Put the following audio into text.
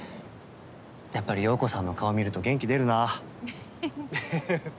やっぱり洋子さんの顔見ると元気出るなはははっ。